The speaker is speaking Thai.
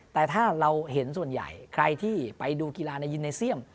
แต่ถ้าเราเห็นส่วนใหญ่ใครที่ไปดูกีฬาในยินในเซียม